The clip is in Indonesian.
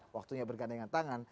waktunya berganda dengan tangan